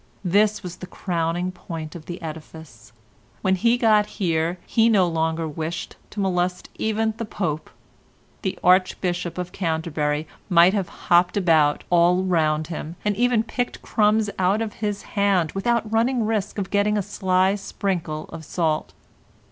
This was the crowning point of the edifice; when he had got here he no longer wished to molest even the Pope. The Archbishop of Canterbury might have hopped about all round him and even picked crumbs out of his hand without running risk of getting a sly sprinkle of salt.